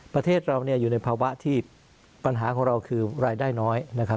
ประเทศเราอยู่ในภาวะที่ปัญหาของเราคือรายได้น้อยนะครับ